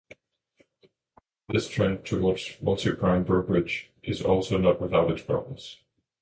This trend towards multi-prime brokerage is also not without its problems.